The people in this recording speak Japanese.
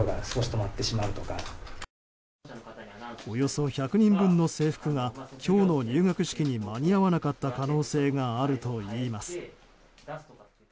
およそ１００人分の制服が今日の入学式に間に合わなかった可能性があるといいます。